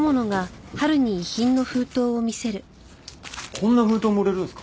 こんな封筒も売れるんですか？